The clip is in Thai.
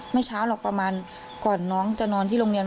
ไม่เช้าหรอกประมาณก่อนน้องจะนอนที่โรงเรียน